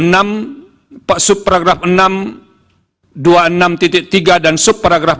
dan subparagraf enam ratus dua puluh enam empat di atas pertanyaan ringan dan sekaligus mengelitik